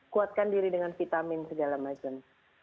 kuatkan diri dengan vitamin segala macam